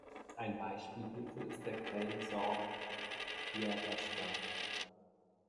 Ein Beispiel hierfür ist der Kelså-Diabasgang.